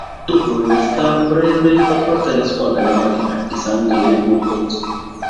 Dopo l'università, Bradley fa parte della squadra della marina, i San Diego Bulldogs.